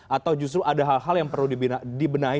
atau justru ada hal hal yang perlu dibenahi